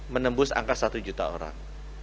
menembus angka satu juta orang